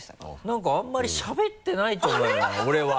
何かあんまりしゃべってないと思うよ俺は。